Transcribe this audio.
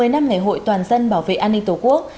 một mươi năm ngày hội toàn dân bảo vệ an ninh tổ quốc